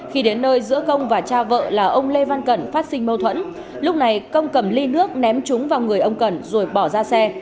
khi đến nơi giữa công và cha vợ là ông lê văn cẩn phát sinh mâu thuẫn lúc này công cầm ly nước ném trúng vào người ông cần rồi bỏ ra xe